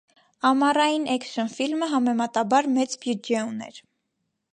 Ամառային էքշն ֆիլմը համեմատաբար մեծ բյուջե ուներ։